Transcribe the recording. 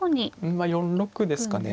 まあ４六ですかね。